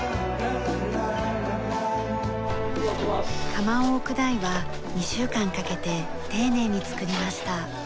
窯を置く台は２週間かけて丁寧に作りました。